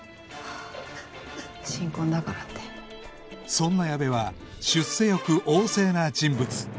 そんな矢部は出世欲旺盛な人物